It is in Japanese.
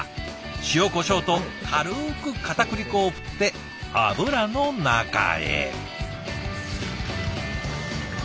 塩こしょうと軽くかたくり粉を振って油の中へ。